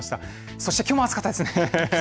そしてきょうも暑かったですね。